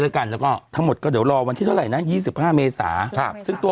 แล้วก็ทั้งหมดก็เดี๋ยวรอวันที่เท่าไรนะยี่สิบห้าเมษาครับซึ่งตัว